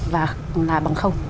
và là bằng không